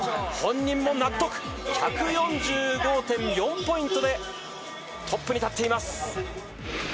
本人も納得１４５．４ポイントでトップに立っています。